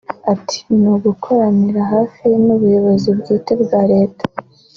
Ati “Ni ugukoranira hafi n’ubuyobozi bwite bwa leta